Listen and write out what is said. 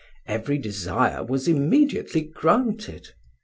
Every desire was immediately granted.